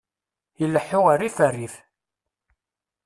Ileḥḥu rrif rrif!